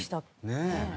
ねえ。